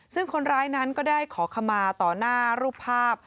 ซึ่งคนร้ายนั้นก็ได้ขอขมาต่อหน้ารูปภาพ